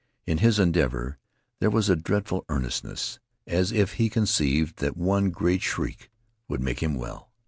In his endeavor there was a dreadful earnestness, as if he conceived that one great shriek would make him well.